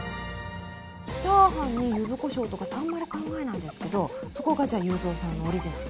チャーハンに柚子こしょうとかってあんまり考えないんですけどそこがじゃ裕三さんのオリジナル。